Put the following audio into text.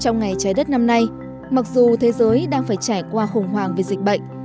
trong ngày trái đất năm nay mặc dù thế giới đang phải trải qua khủng hoảng về dịch bệnh